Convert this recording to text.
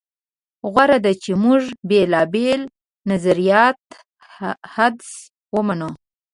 غوره ده چې موږ بېلابېل نظریاتي حدس ومنو.